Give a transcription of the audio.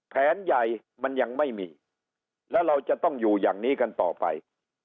แผนใหญ่มันยังไม่มีแล้วเราจะต้องอยู่อย่างนี้กันต่อไป